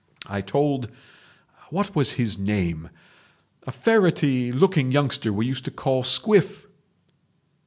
"I told—What was his name?—a ferrety looking youngster we used to call Squiff."